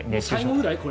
最後ぐらい？